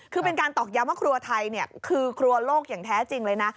คือเป็นการตอกย้ำว่าครัวไทยคือครัวโลกอย่างแท้จริงเลยนะ